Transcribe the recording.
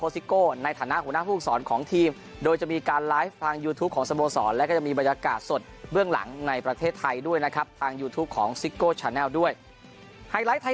ซิโก้ในฐานะหัวหน้าภูมิสอนของทีมโดยจะมีการไลฟ์ทางยูทูปของสโมสรแล้วก็จะมีบรรยากาศสดเบื้องหลังในประเทศไทยด้วยนะครับทางยูทูปของซิโก้ชาแนลด้วยไฮไลท์ไทย